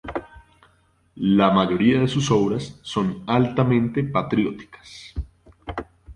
La mayoría de sus obras son altamente patrióticas.